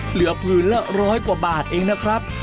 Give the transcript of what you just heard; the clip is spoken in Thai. เหลือพื้นละ๑๐๐กว่าบาทเองนะครับ